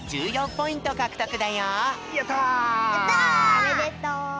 おめでとう！